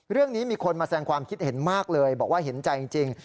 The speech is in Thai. เรื่องนี้มีคนมาแสงความคิดเห็นมากเลยบอกว่าเห็นใจจริง